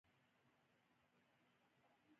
کوتره د ځان ساتنه کولی شي.